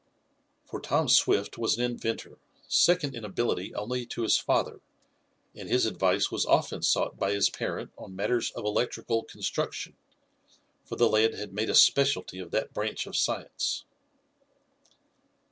For Tom Swift was an inventor, second in ability only to his father, and his advice was often sought by his parent on matters of electrical construction, for the lad had made a specialty of that branch of science.